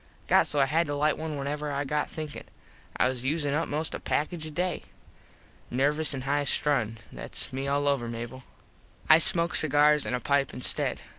Got so I had to lite one whenever I got thinkin. I was usin up most a package a day. Nervous an high strung. Thats me all over, Mable. I smoke cigars an a pipe instead.